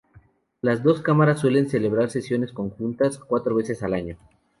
Las dos cámaras suelen celebrar sesiones conjuntas cuatro veces al año.